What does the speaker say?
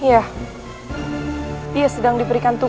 terima kasih aku sangat ingin menyuignakanmu